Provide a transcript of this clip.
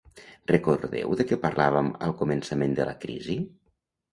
Recordeu de què parlàvem al començament de la crisi?